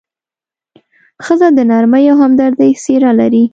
ښځه د نرمۍ او همدردۍ څېره لري.